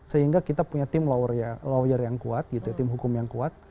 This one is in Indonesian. sehingga kita punya tim lawyer yang kuat tim hukum yang kuat